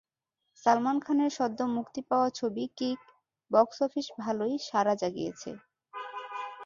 সালমান খানের সদ্য মুক্তি পাওয়া ছবি কিক বক্স অফিস ভালোই সাড়া জাগিয়েছে।